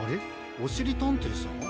おしりたんていさん？